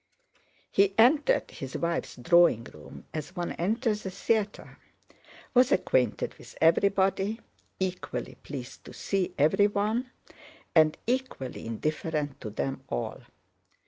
He entered his wife's drawing room as one enters a theater, was acquainted with everybody, equally pleased to see everyone, and equally indifferent to them all.